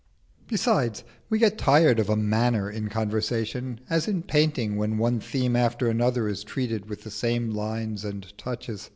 Besides, we get tired of a "manner" in conversation as in painting, when one theme after another is treated with the same lines and touches.